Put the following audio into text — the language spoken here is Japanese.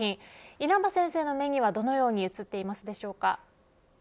稲葉先生の目にはどのように映っていますでしょうか。